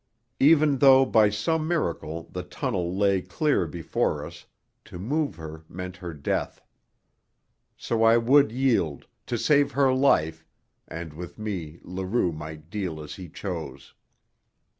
Even though, by some miracle, the tunnel lay clear before us, to move her meant her death. So I would yield, to save her life, and with me Leroux might deal as he chose.